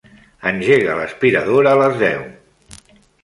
Engega l'aspiradora a les deu.